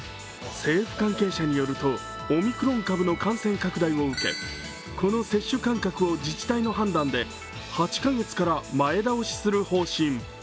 政府関係者によると、オミクロン株の感染拡大を受け、この接種間隔を自治体の判断で８カ月から前倒しする方針。